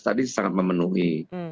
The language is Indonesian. tadi sangat memenuhi